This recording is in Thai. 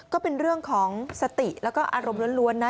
ก็เป็นเรื่องของสติแล้วก็อารมณ์ล้วนนะ